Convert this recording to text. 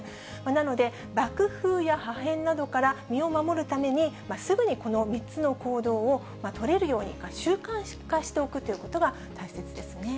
なので、爆風や破片などから身を守るために、すぐにこの３つの行動を取れるように、習慣化しておくということが大切ですね。